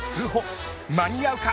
間に合うか！